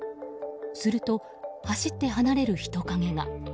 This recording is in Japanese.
すると、走って離れる人影が。